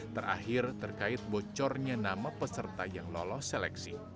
terakhir terkait bocornya nama peserta yang lolos seleksi